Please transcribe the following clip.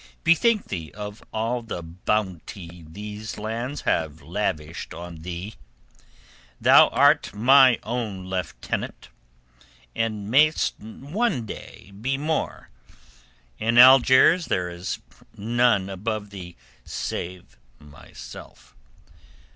Bethink thee of all the bounty these hands have lavished on thee. Thou art my own lieutenant, and mayest one day be more. In Algiers there is none above thee save myself.